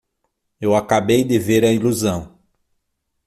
Eu acabei de ver a ilusão!